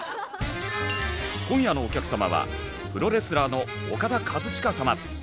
今夜のお客様はプロレスラーのオカダ・カズチカ様。